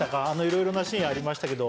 色々なシーンありましたけど。